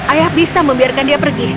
ayah bisa membiarkan dia pergi